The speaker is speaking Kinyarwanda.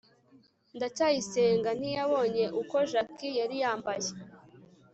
ndacyayisenga ntiyabonye uko jaki yari yambaye